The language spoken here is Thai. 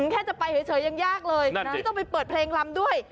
แค่จะไปเฉยยังยากเลยที่ต้องไปเปิดเพลงลำด้วย